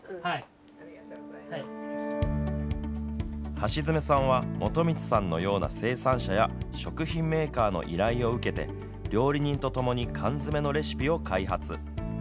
橋爪さんは元満さんのような生産者や食品メーカーの依頼を受けて料理人と共に缶詰のレシピを開発。